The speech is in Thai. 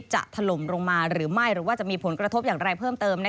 ถล่มลงมาหรือไม่หรือว่าจะมีผลกระทบอย่างไรเพิ่มเติม